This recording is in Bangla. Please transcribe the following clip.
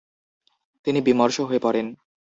তিনি বিমর্ষ হয়ে পড়েন।